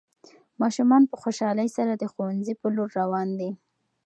ماشومان په خوشحالۍ سره د ښوونځي په لور روان دي.